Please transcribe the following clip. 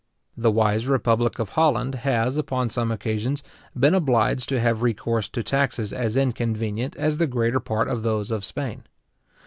The wise republic of Holland has, upon some occasions, been obliged to have recourse to taxes as inconvenient as the greater part of those of Spain.